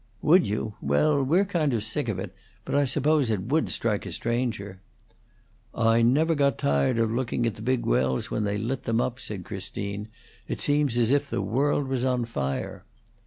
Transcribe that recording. "Would you? Well, we're kind of sick of it, but I suppose it would strike a stranger." "I never got tired of looking at the big wells when they lit them up," said Christine. "It seems as if the world was on fire."